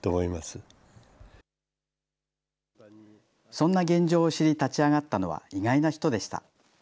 そんな現状を知り、立ち上がったのは意外な人でした。